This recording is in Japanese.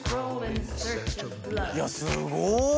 いやすごっ！